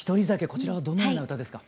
こちらはどのような歌ですか。